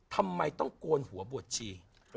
ทำไมต้องโกนหัวบวชชี